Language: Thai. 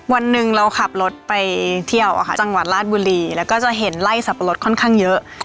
วันหนึ่งเราขับรถไปเที่ยวจังหวัดราชบุรีแล้วก็จะเห็นไล่สับปะรดค่อนข้างเยอะ